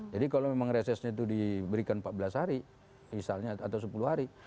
jadi kalau memang resesnya itu diberikan empat belas hari misalnya atau sepuluh hari